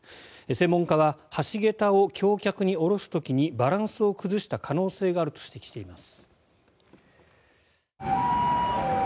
専門家は橋桁を橋脚に下ろす時にバランスを崩した可能性があると指摘しています。